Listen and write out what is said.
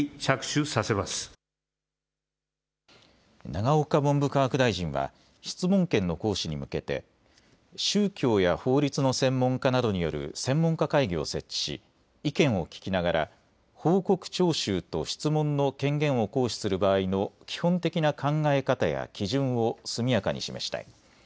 永岡文部科学大臣は質問権の行使に向けて宗教や法律の専門家などによる専門家会議を設置し意見を聞きながら報告徴収と質問の権限を行使する場合の基本的な考え方や基準を速やかに示したい。